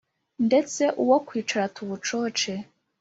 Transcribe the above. ndetse uwo kwicara tuwucoce,